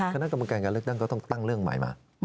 คณะกรรมการการเลือกตั้งก็ต้องตั้งเรื่องใหม่มา